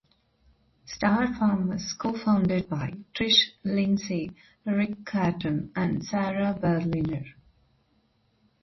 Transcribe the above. Star Farm was co-founded by Trish Lindsay, Rick Carton and Sara Berliner.